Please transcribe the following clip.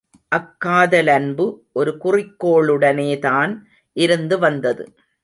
அக்காதலன்பு ஒரு குறிக்கோளுடனேதான் இருந்து வந்தது.